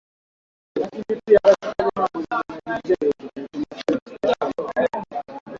wanyama wazima kiafya wanaponyonya damu yao